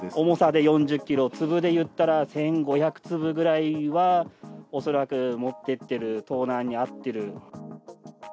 重さで４０キロ、粒でいったら１５００粒ぐらいは、恐らく持ってってる、盗難に遭ってる。